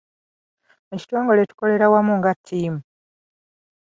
Mu kitongole tukolera wamu nga ttiimu.